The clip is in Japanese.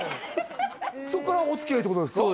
そっからおつきあいってことですか？